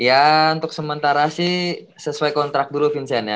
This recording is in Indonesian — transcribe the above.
ya untuk sementara sih sesuai kontrak dulu vincent ya